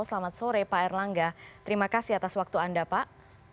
selamat sore pak erlangga terima kasih atas waktu anda pak